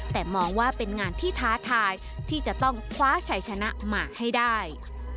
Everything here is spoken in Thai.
แต่มองว่าเป็นงานที่ท้าทายที่จะต้องคว้าชัยชนะมาให้ได้